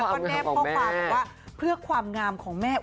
แม่บอกว่าเพื่อความงามของแม่